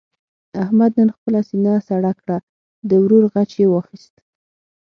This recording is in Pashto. احمد نن خپله سینه سړه کړه. د ورور غچ یې واخیست.